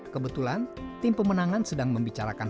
kebetulan tim pemenangan sedang membicarakan